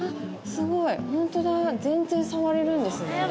すごいホントだ全然触れるんですね・